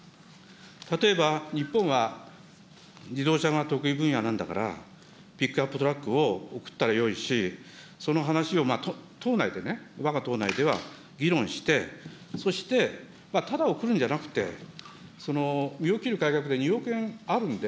例えば日本は、自動車が得意分野なんだから、ピックアップトラックを送ったらよいし、その話を党内でね、わが党内では議論して、そして、ただ送るんじゃなくて、身を切る改革で２億円あるんで、